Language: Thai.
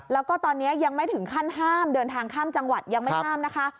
แล้วก็ตอนนี้ยังไม่ถึงขั้นห้ามเดินทางข้ามจังหวัดยังไม่ห้ามนะคะ